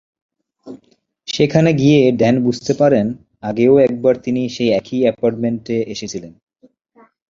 সেখানে গিয়ে ড্যান বুঝতে পারেন, আগেও একবার তিনি সেই একই অ্যাপার্টমেন্টে এসেছিলেন।